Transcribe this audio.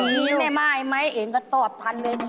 มีไหมไหมเองก็ตอบพันธุ์เลย